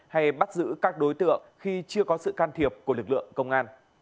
hay bắt giữ các đối tượng khi chưa có sự can thiệp của lực lượng công an